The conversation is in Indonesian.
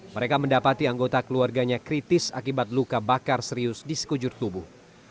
mereka mendapati anggota keluarganya kritis akibat luka bakar serius di sekujur tubuh